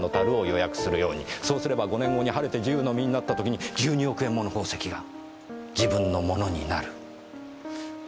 そうすれば５年後に晴れて自由の身になった時に１２億円もの宝石が自分のものになる。